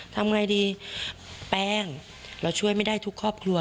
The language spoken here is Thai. ทำไงดีแป้งเราช่วยไม่ได้ทุกครอบครัว